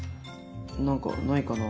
何かないかな？